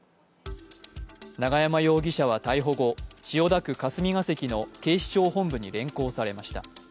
永山容疑者は逮捕後、千代田区霞が関の警視庁本部に連行されました。